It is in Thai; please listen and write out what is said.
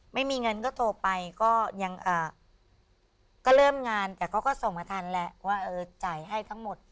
ไม่มีเงินก็โทรไปก็ยังก็เริ่มงานแต่เขาก็ส่งมาทันแหละว่าจ่ายให้ทั้งหมด